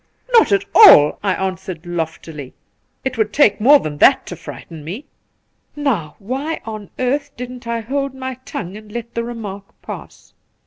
' Not at all !' I answered loftily. ' It would take more than that to frighten me.' Now, why on earth didn't I hold my tongue and let the remark pass